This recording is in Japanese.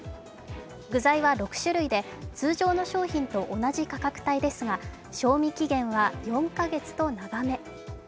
具材は６種類で、通常の商品と同じ価格帯ですが賞味期限は４か月と長め。